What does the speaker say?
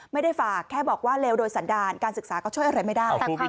ไม่ได้ฝากแค่บอกว่าเลวโดยสันดาลการศึกษาก็ช่วยอะไรไม่ได้